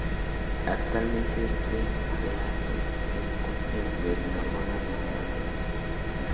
Actualmente este Beato se encuentra en la Biblioteca Morgan de Nueva York.